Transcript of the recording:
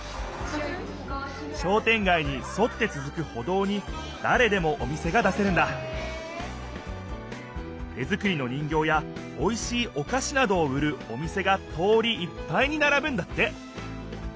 商店街にそってつづく歩道にだれでもお店が出せるんだ手作りの人形やおいしいおかしなどを売るお店が通りいっぱいにならぶんだって。